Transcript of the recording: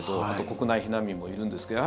国内避難民もいるんですけど。